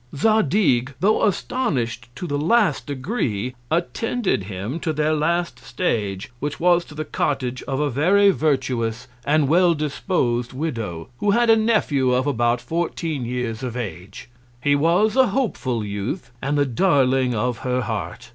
Zadig, tho' astonish'd to the last Degree, attended him to their last Stage, which was to the Cottage of a very virtuous and well dispos'd Widow, who had a Nephew of about fourteen Years of Age. He was a hopeful Youth, and the Darling of her Heart.